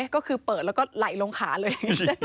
ก็คือเปิดแล้วก็ไหลลงขาเลย